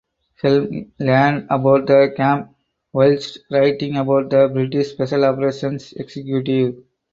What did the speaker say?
Helm learned about the camp whilst writing about the British Special Operations Executive.